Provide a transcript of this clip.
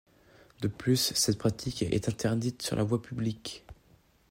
De plus, cette pratique est interdite sur la voie publique.